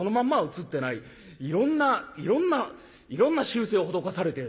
いろんないろんないろんな修整を施されている。